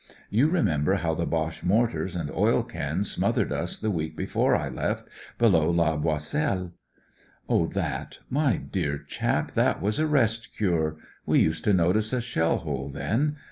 You remember how the Boche mortars and oil cans smothered us the week before I left, below La Boiselle ?"" Oh, that I My dear chap, that was a rest cure. We used to notice a shell hole then.